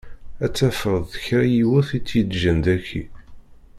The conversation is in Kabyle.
Ad tafeḍ d kra n yiwet i t-yeǧǧan daki.